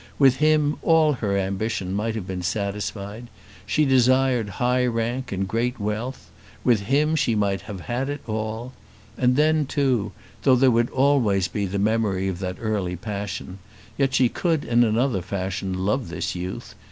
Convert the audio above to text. With him all her ambition might have been satisfied. She desired high rank and great wealth. With him she might have had it all. And then, too, though there would always be the memory of that early passion, yet she could in another fashion love this youth.